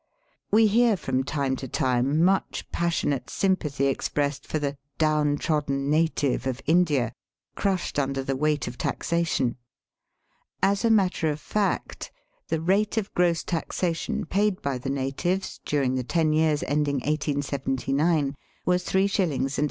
We hear from time to time much passionate sympathy expressed for the "down trodden native of India," crushed under the weight of taxation. As a matter of fact the rate of gross taxation paid by the natives during the ten years ending 1879 was 35. 8d.